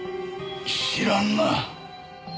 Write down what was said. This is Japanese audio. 知らんな。